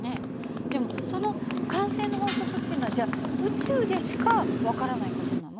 でもその慣性の法則っていうのはじゃあ宇宙でしか分からない事なの？